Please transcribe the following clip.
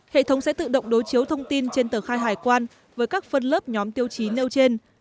hệ thống sẽ tự động đối chiếu thông tin trên tờ khai hải quan với các phân lớp nhóm tiêu chí nêu trên